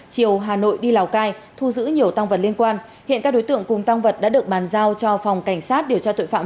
chiều hà nội đi lào cai thu giữ nhiều tăng vật liên quan hiện các đối tượng cùng tăng vật đã được bàn giao cho phòng cảnh sát điều tra tội phạm